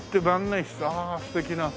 ああ素敵な。